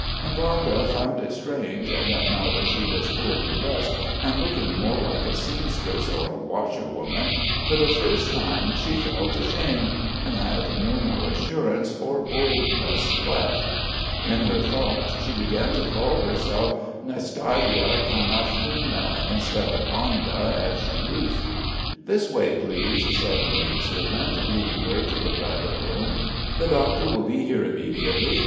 And Vanda found it strange that, now that she was poorly dressed and looking more like a seamstress or a washerwoman, for the first time she felt ashamed, and had no more assurance or boldness left. In her thoughts she began to call herself Nastya Kanavkina, instead of Vanda as she used. "This way, please!" said the maid servant, leading her to the private room. "The doctor will be here immediately....